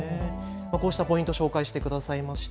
こうしたポイント、紹介してくださいました